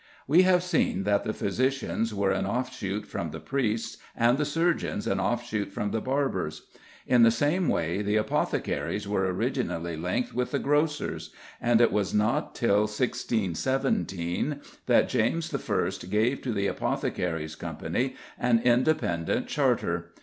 We have seen that the physicians were an offshoot from the priests and the surgeons an offshoot from the barbers. In the same way, the apothecaries were originally linked with the grocers; and it was not till 1617 that James I. gave to the Apothecaries' Company an independent charter.